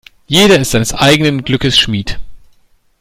Jeder ist seines eigenen Glückes Schmied.